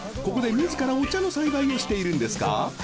ここで自らお茶の栽培をしているんですか？